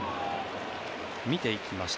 見ていきました。